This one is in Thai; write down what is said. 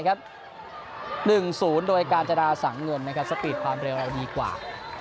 หนึ่งศูนย์โดยการจนาสั่งเงินนะครับสปีดความเร็วอะไรดีกว่า